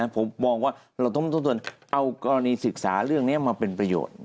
ผมมองว่าเราต้องทบทวนเอากรณีศึกษาเรื่องนี้มาเป็นประโยชน์